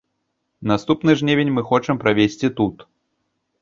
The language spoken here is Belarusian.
Наступны жнівень мы хочам правесці тут.